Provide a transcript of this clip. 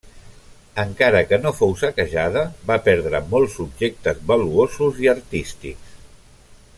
Encara que no fou saquejada, va perdre molts objectes valuosos i artístics.